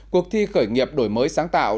cuộc thi khởi nghiệp đổi mới sáng tạo